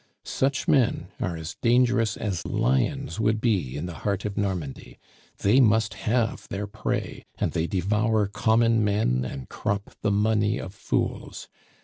Such men are as dangerous as lions would be in the heart of Normandy; they must have their prey, and they devour common men and crop the money of fools.